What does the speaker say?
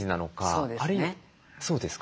そうですね。